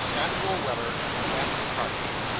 SAMUEL WELLER AND A FAMILY PARTY.